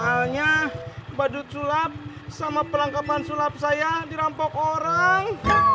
soalnya badut sulap sama perangkapan sulap saya dirampok orang